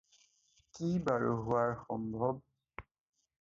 কি বাৰু হোৱাৰ সম্ভব?